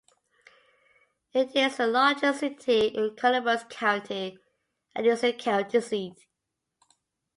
It is the largest city in Columbus County and is the county seat.